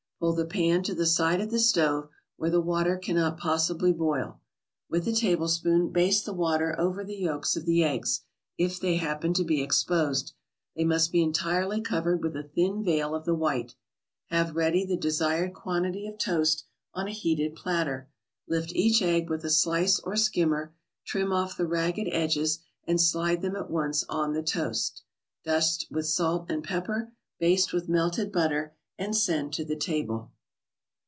Pull the pan to the side of the stove, where the water cannot possibly boil. With a tablespoon, baste the water over the yolks of the eggs, if they happen to be exposed. They must be entirely covered with a thin veil of the white. Have ready the desired quantity of toast on a heated platter, lift each egg with a slice or skimmer, trim off the ragged edges and slide them at once on the toast. Dust with salt and pepper, baste with melted butter, and send to the table.